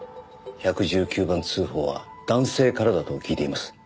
１１９番通報は男性からだと聞いています。